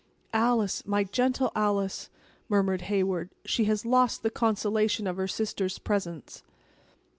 "Alice, my gentle Alice!" murmured Heyward; "she has lost the consolation of her sister's presence!"